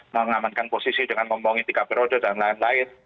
mengamankan posisi dengan ngomongin tiga periode dan lain lain